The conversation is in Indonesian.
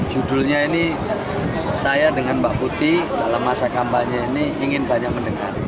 judulnya ini saya dengan mbak putih dalam masa kampanye ini ingin banyak mendengar